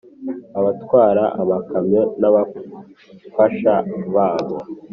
abatwara amakamyo n’ababafasha babo